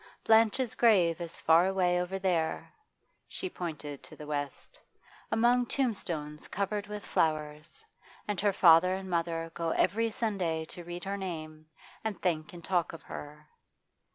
Blanche's grave is far away over there' she pointed to the west 'among tombstones covered with flowers, and her father and mother go every Sunday to read her name, and think and talk of her.